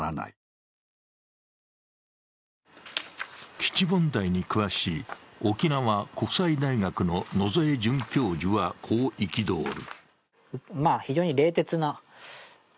基地問題に詳しい沖縄国際大学の野添准教授は、こう憤る。